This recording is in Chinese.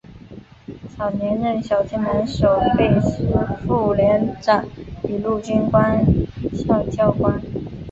早年任小金门守备师副连长与陆军官校教官。